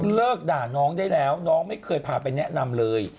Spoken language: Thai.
ด่าน้องได้แล้วน้องไม่เคยพาไปแนะนำเลย